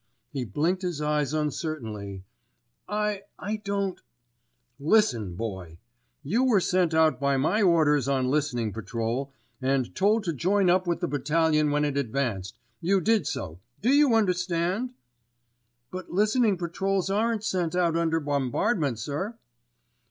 He blinked his eyes uncertainly. "I—I don't——" "Listen, Boy! You were sent out by my orders on listening patrol, and told to join up with the Battalion when it advanced. You did so, do you understand?" "But listening patrols aren't sent out under bombardment, sir."